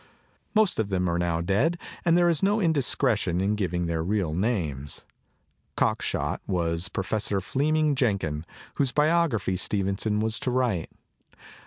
Most of them are now dead and there is no indis^ tion in giving their real names. "Cockshot" was Professor Fleemini^ Jenkin, whose biography Stevenson was to write.